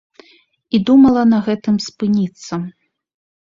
І думала на гэтым спыніцца.